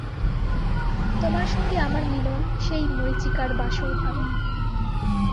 তোমার সঙ্গে আমার মিলন সেই মরীচিকার বাসরঘরে।